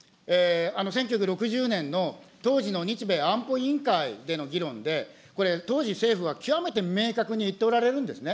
１９６０年の当時の日米安保委員会での議論で、これ、当時、政府は極めて明確に言っておられるんですね。